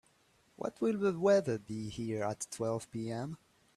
What will the weather be here at twelve P.m.?